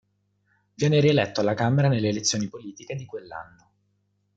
Viene rieletto alla Camera nelle elezioni politiche di quell'anno.